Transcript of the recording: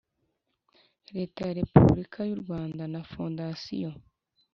Leta ya repubulika y u rwanda na fondasiyo